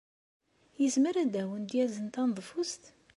Yezmer ad awent-d-yazen taneḍfust?